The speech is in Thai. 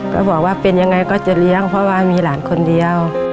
ก็บอกว่าเป็นยังไงก็จะเลี้ยงเพราะว่ามีหลานคนเดียว